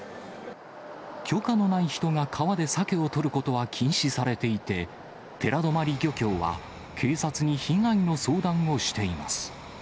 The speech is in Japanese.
許可のない人が川でサケを取ることは禁止されていて、寺泊漁協は警察に被害の相談をしています。